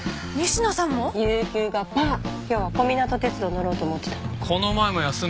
今日は小湊鐵道乗ろうと思ってたのに。